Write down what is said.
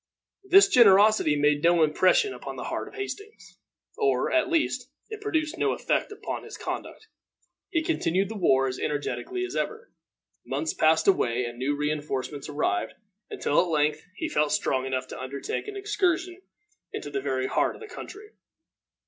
This generosity made no impression upon the heart of Hastings, or, at least, it produced no effect upon his conduct. He continued the war as energetically as ever. Months passed away and new re enforcements arrived, until at length he felt strong enough to undertake an excursion into the very heart of the country.